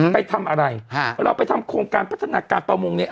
ไปทำอะไรฮะเราไปทำโครงการพัฒนาการประมงเนี่ย